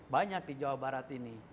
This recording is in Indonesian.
banyak di jawa barat ini